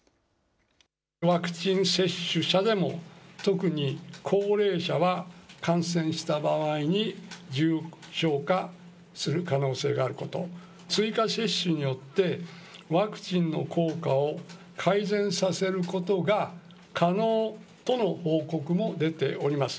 ワクチン接種者でも特に高齢者は、感染した場合に重症化する可能性があること、追加接種によってワクチンの効果を改善させることが可能との報告も出ております。